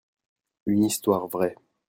Une histoire vraie.